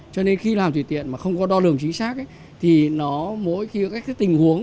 cho nên khi làm tùy tiện mà không có đo đường chính xác thì nó mỗi khi có các tình huống